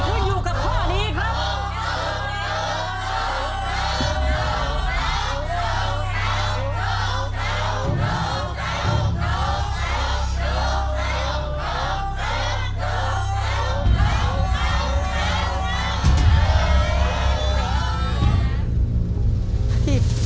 คุณอยู่กับข้อนี้ครับ